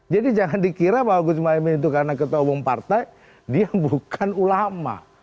jadi jangan dikira bahwa gus mohaimin itu karena ketua umum partai dia bukan ulama